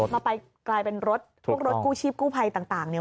มาไปกลายเป็นรถพวกรถกู้ชีพกู้ภัยต่างเนี่ย